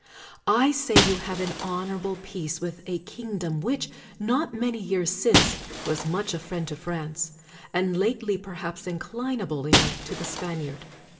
I say you have an honorable peace with a kingdom which, not many years since, was much a friend 131 THE WORLD'S FAMOUS ORATIONS to France, and lately perhaps inclinable enough to the Spaniard.